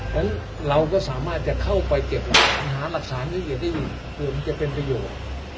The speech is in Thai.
แล้วเราก็สามารถจะเข้าไปเก็บหาหลักศาลให้ได้ยินกลัวมันจะเป็นประโยชน์